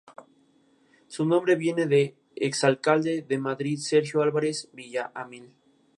Estudia Bachiller en el Colegio de los Jesuitas de Bilbao.